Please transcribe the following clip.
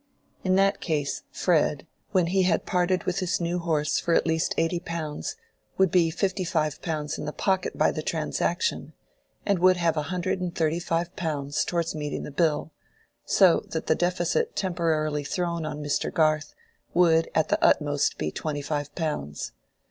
In that case Fred, when he had parted with his new horse for at least eighty pounds, would be fifty five pounds in pocket by the transaction, and would have a hundred and thirty five pounds towards meeting the bill; so that the deficit temporarily thrown on Mr. Garth would at the utmost be twenty five pounds.